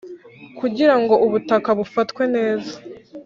Kugirango ubutaka bufatwe neza